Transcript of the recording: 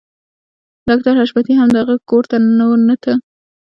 ډاکټر حشمتي هم د هغوی کور ته نور نه ته